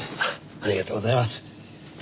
ありがとうございます。